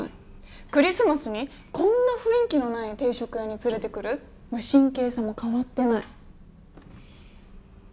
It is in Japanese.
クリスマスにこんな雰囲気のない定食屋に連れてくる無神経さも変わってない。